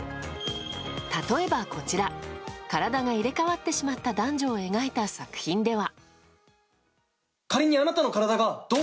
例えば、こちら体が入れ替わってしまった男女を描いた作品では。